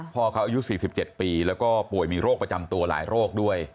พ่อเขาอายุ๔๗ปีแล้วก็ป่วยมีโรคประจำตัวหลายโรคด้วย